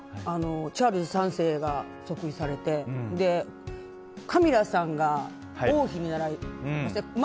チャールズ３世が即位されてカミラさんが王妃になられましたよね。